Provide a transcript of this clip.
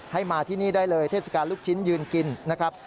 มาที่นี่ได้เลยเทศกาลลูกชิ้นยืนกินนะครับ